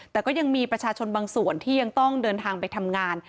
แต่ก็ยังมีประชาชนบางส่วนที่ยังต้องเดินทางไปทำงาน